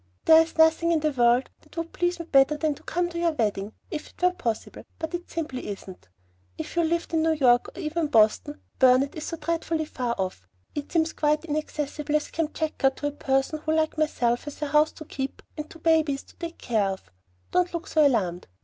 There is nothing in the world that would please me better than to come to your wedding if it were possible, but it simply isn't. If you lived in New Haven now, or even Boston, but Burnet is so dreadfully far off, it seems as inaccessible as Kamchatka to a person who, like myself, has a house to keep and two babies to take care of. Don't look so alarmed.